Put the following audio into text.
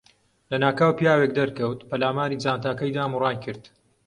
لەناکاو پیاوێک دەرکەوت، پەلاماری جانتاکەی دام و ڕایکرد.